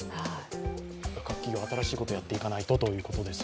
日々、新しいことをやっていかないとということですね。